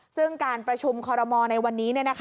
ซึ่งการประชุมคอรมอลในวันนี้